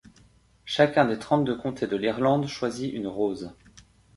Chacun des trente-deux comtés de l'Irlande choisit une Rose.